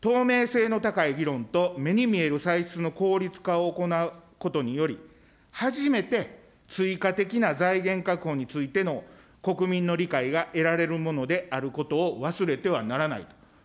透明性の高い議論と目に見える歳出の効率化を行うことにより、初めて追加的な財源確保についての国民の理解が得られるものであることを忘れてはならない。